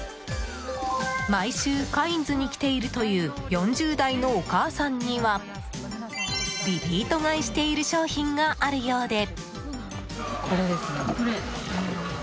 毎週カインズに来ているという４０代のお母さんにはリピート買いしている商品があるようで。